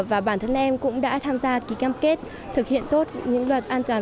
và bản thân em cũng đã tham gia ký cam kết thực hiện tốt những luật an toàn